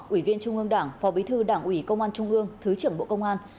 ủy viên trung ương đảng phó bí thư đảng ủy công an trung ương thứ trưởng bộ công an